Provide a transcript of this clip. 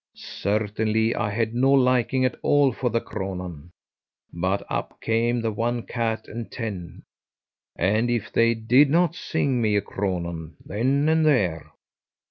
Certainly I had no liking at all for the cronan, but up came the one cat and ten, and if they did not sing me a cronan then and there!